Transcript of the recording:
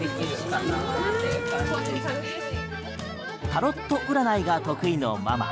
タロット占いが得意ナママ。